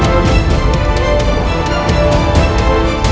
yang dis wheatland